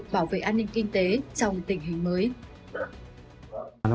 bảo vệ an ninh kinh tế trong tình hình mới